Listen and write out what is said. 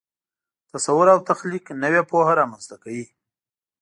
تصور او تخلیق نوې پوهه رامنځته کوي.